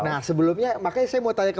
nah sebelumnya makanya saya mau tanya ke